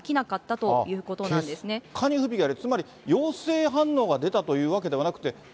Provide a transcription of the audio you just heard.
つまり陽性反応が出たというわけではなくて。